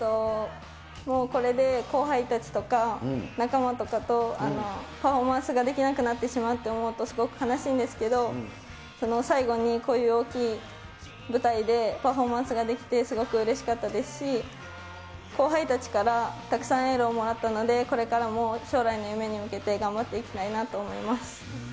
もうこれで後輩たちとか、仲間とかとパフォーマンスができなくなってしまうと思うと、すごく悲しいんですけれども、最後にこういう大きい舞台でパフォーマンスができて、すごくうれしかったですし、後輩たちからたくさんエールをもらったので、これからも将来の夢に向けて、頑張っていきたいなと思います。